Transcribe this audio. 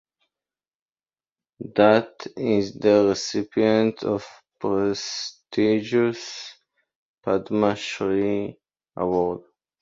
Dutt is the recipient of prestigious Padma Shri award.